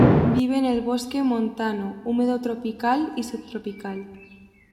Vive en el bosque montano húmedo tropical y subtropical.